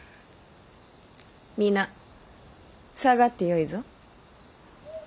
皆下がってよいぞ。